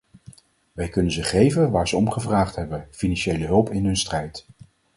Wij kunnen ze geven waar ze om gevraagd hebben: financiële hulp in hun strijd.